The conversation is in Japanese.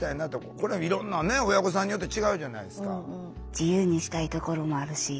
これはいろんなね親御さんによって違うじゃないですか。